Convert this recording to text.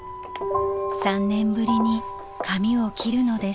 ［３年ぶりに髪を切るのです］